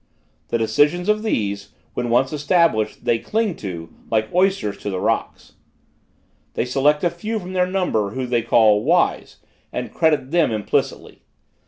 The decisions of these, when once established, they cling to, like oysters to the rocks. They select a few from their number whom they call, 'wise,' and credit them implicitly.